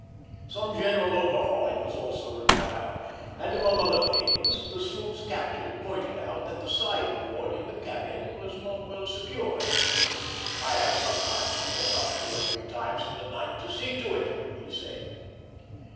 Some general overhauling was also required, and among other things the sloop's captain pointed out that the side board in the cabin was not well secured. "I have sometimes to get up two or three times in the night to see to it," he said.